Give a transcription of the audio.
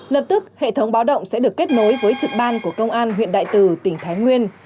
lập tức hệ thống báo động sẽ được kết nối với trực ban của công an huyện đại từ tỉnh thái nguyên